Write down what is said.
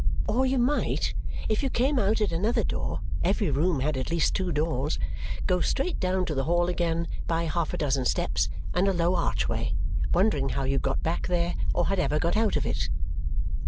Or you might, if you came out at another door (every room had at least two doors), go straight down to the hall again by half a dozen steps and a low archway, wondering how you got back there or had ever got out of it.